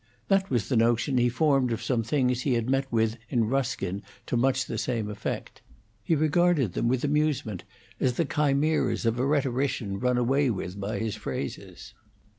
That was the notion he formed of some things he had met with in Ruskin to much the same effect; he regarded them with amusement as the chimeras of a rhetorician run away with by his phrases.